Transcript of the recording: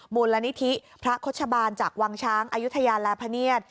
มูลนิธิพระโฆษบาลจากวังช้างอายุทยาและพเนียด